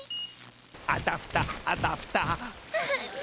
あたふたあたふた。